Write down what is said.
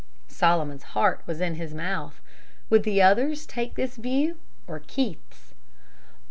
Solomon's heart was in his mouth. Would the others take this view or Keith's?